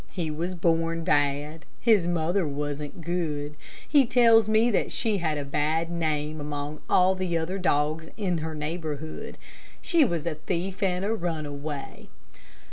He was born bad. His mother wasn't good. He tells me that she had a bad name among all the dogs in her neighborhood. She was a thief and a runaway."